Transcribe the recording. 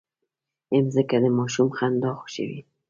مځکه د ماشوم خندا خوښوي.